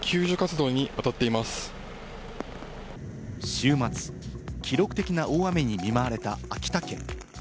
週末、記録的な大雨に見舞われた秋田県。